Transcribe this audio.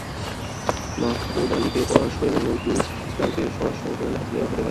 মাহমুদ আলীকে পররাষ্ট্র এবং নজরুল ইসলামকে স্বরাষ্ট্র মন্ত্রণালয়ের দায়িত্ব দেওয়া হতে পারে।